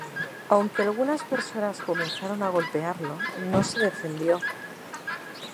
Aunque algunas personas comenzaron a golpearlo, no se defendió.